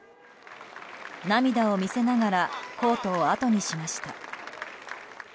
涙を見せながらコートをあとにしました。